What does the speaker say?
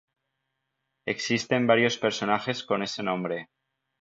Existen varios personajes con este nombre.